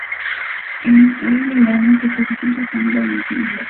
Iran imeamua kusitisha kwa muda mazungumzo yake ya siri